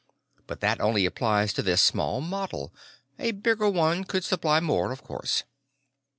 But that only applies to this small model. A bigger one could supply more, of course."